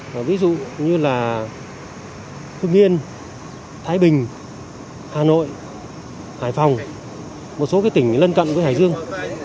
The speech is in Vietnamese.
và ví dụ như là hưng yên thái bình hà nội hải phòng một số tỉnh lân cận với hải dương